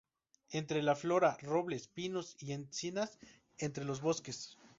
Entre la flora, robles, pinos y encinas entre los bosques.